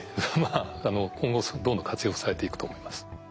あ今後どんどん活用されていくと思います。